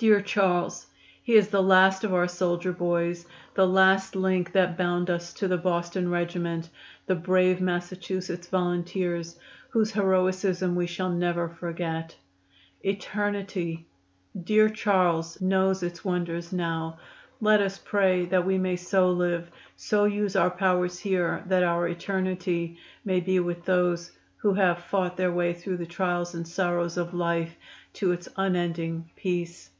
Dear Charles! He is the last of our soldier boys the last link that bound us to the Boston Regiment, the brave Massachusetts Volunteers, whose heroism we shall never forget. Eternity! Dear Charles knows its wonders now. Let us pray that we may so live, so use our powers here that our eternity may be with those who have fought their way through the trials and sorrows of life to its unending peace."